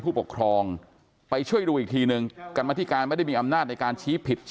ต้องติดตามหลายแสนคนในตลักครั้ง